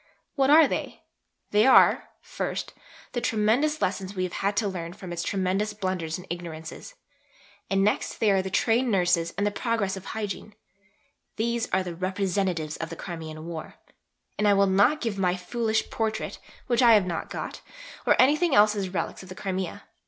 What are they? They are, first, the tremendous lessons we have had to learn from its tremendous blunders and ignorances. And next they are Trained Nurses and the progress of Hygiene. These are the 'representations' of the Crimean War. And I will not give my foolish Portrait (which I have not got) or anything else as 'relics' of the Crimea.